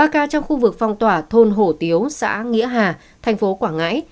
ba ca trong khu vực phong tỏa thôn hổ tiếu xã nghĩa hà thành phố quảng ngãi